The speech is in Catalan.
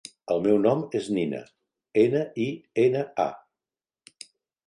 El meu nom és Nina: ena, i, ena, a.